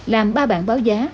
làm ba bản báo giá